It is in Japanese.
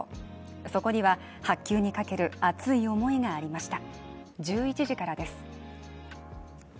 そこには、白球にかける熱い思いがありました。